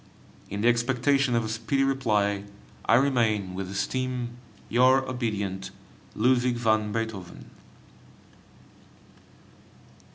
In the expectation of a speedy reply, I remain, with esteem, Your obedient LUDWIG VAN BEETHOVEN.